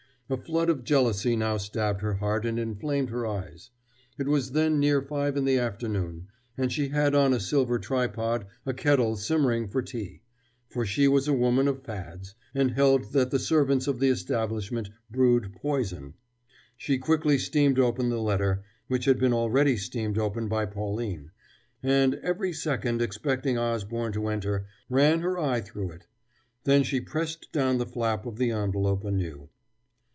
A flood of jealousy now stabbed her heart and inflamed her eyes. It was then near five in the afternoon, and she had on a silver tripod a kettle simmering for tea, for she was a woman of fads, and held that the servants of the establishment brewed poison. She quickly steamed open the letter which had been already steamed open by Pauline and, every second expecting Osborne to enter, ran her eye through it. Then she pressed down the flap of the envelope anew.